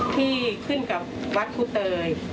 ที่ขึ้นกับวัดครูเตย